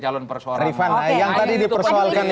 calon persoalan riffana yang tadi di persoalkan